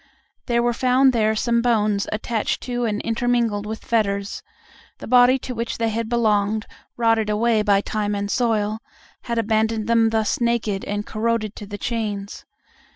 There were found there some bones attached to and intermingled with fetters; the body to which they had belonged, rotted away by time and the soil, had abandoned them thus naked and corroded to the chains.